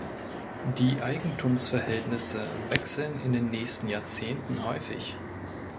Die Eigentumsverhältnisse wechseln in den nächsten Jahrzehnten häufig.